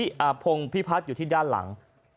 ยิงพงพี่พัชอยู่ที่ด้านหลัง